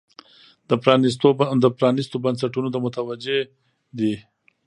دا پرانیستو بنسټونو ته متوجې دي.